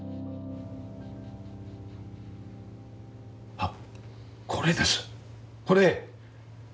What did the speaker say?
あっこれですこれ！